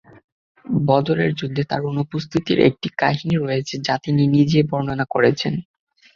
বদরের যুদ্ধে তার অনুপস্থির একটি কাহিনী রয়েছে, যা তিনি নিজেই বর্ণনা করেছেন।